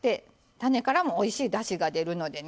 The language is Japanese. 種からもおいしいだしが出るのでね。